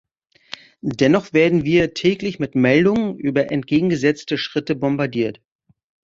Dennoch werden wir täglich mit Meldungen über entgegengesetzte Schritte bombardiert.